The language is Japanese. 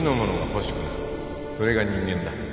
それが人間だ。